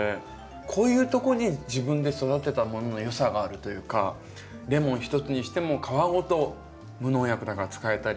こういうとこに自分で育てたもののよさがあるというかレモン一つにしても皮ごと無農薬だから使えたり。